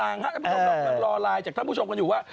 และต้องกำลังรอไลน์จากท่านผู้ชมคนอยู่ว่า